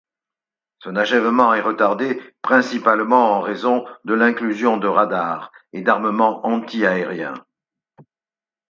Son achèvement est retardé principalement en raison de l'inclusion de radars et d'armements anti-aériens.